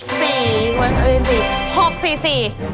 เออเรียน๔